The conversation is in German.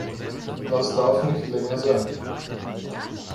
Das darf nicht länger sein.